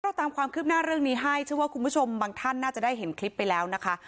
ตามความคืบหน้าเรื่องนี้ให้เชื่อว่าคุณผู้ชมบางท่านน่าจะได้เห็นคลิปไปแล้วนะคะ